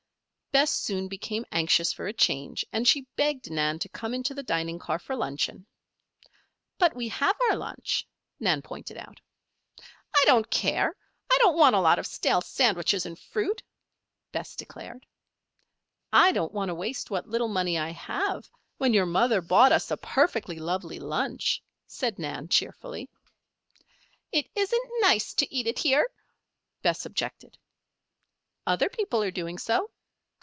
Bess soon became anxious for a change and she begged Nan to come into the dining car for luncheon. "But we have our lunch," Nan pointed out. "I don't care. I don't want a lot of stale sandwiches and fruit," Bess declared. "I don't want to waste what little money I have, when your mother bought us a perfectly lovely lunch," said Nan, cheerfully. "It isn't nice to eat it here," Bess objected. "Other people are doing so."